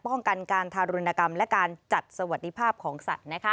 ป้องกันการทารุณกรรมและการจัดสวัสดิภาพของสัตว์